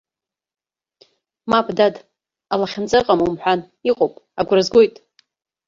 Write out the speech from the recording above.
Мап, дад, алахьынҵа ыҟам умҳәан, иҟоуп, агәра згоит.